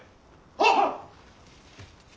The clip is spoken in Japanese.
はっ！